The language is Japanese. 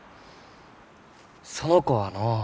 その子はのう。